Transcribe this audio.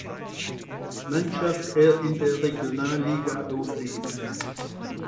Mannschaft er in der Regionalliga auflief.